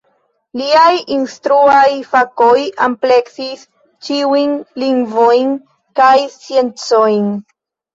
Liaj instruaj fakoj ampleksis ĉiujn lingvojn kaj sciencojn.